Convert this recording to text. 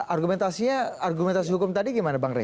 argumentasinya argumentasi hukum tadi gimana bang rey